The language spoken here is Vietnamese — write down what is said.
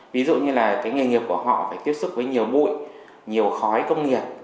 ví dụ như là cái nghề nghiệp của họ phải tiếp xúc với nhiều bụi nhiều khói công nghiệp